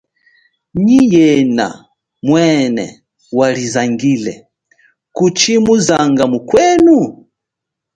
Nyi yena mwene walizangile, kuchi muzanga mukwenu?